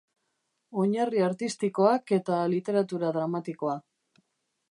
Oinarri Artistikoak eta Literatura Dramatikoa.